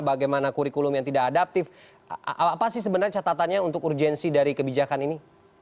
bagaimana kurikulum yang tidak adaptif apa sih sebenarnya catatannya untuk urgensi dari kebijakan ini